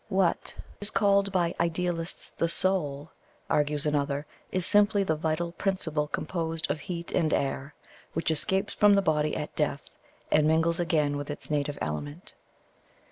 "What is called by idealists the SOUL," argues another, "is simply the vital principle composed of heat and air, which escapes from the body at death, and mingles again with its native element.